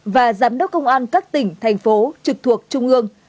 và giám đốc công an các tỉnh thành phố trực thuộc trung ương